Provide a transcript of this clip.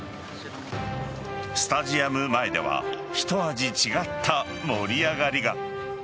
スタジアム前では一味違った盛り上がりが。